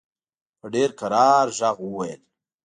په ډېر کرار ږغ وویل.